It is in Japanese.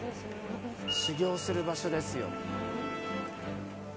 修行する場所ですよ。